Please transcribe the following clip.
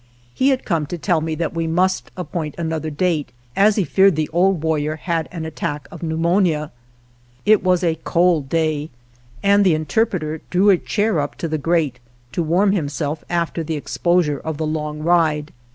He had come to tell me that we must ap xxi INTRODUCTORY point another date, as he feared the old war rior had an attack of pneumonia. It was a cold day and the interpreter drew a chair up to the grate to warm himself after the ex posure of the long ride.